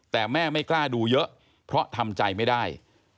แต่แม่ไม่กล้าดูเยอะเพราะทำใจไม่ได้